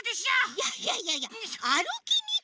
いやいやいやいやあるきにくいでしょ！